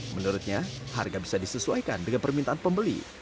menurutnya harga bisa disesuaikan dengan permintaan pembeli